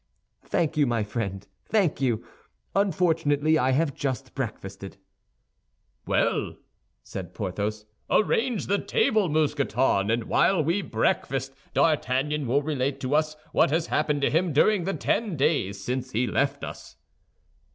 "Thank you, my friend, thank you; unfortunately, I have just breakfasted." "Well," said Porthos, "arrange the table, Mousqueton, and while we breakfast, D'Artagnan will relate to us what has happened to him during the ten days since he left us."